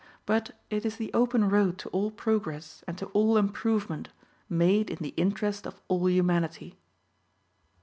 But it is the open road to all progress and to all improvement, made in the interest of all humanity.